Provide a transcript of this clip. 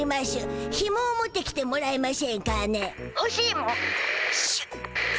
ひもを持ってきてもらえましぇんかね」。